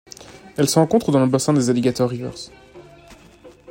Elle se rencontre dans le bassin des Alligator Rivers.